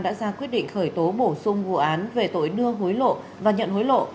đã ra quyết định khởi tố bổ sung vụ án về tội đưa hối lộ và nhận hối lộ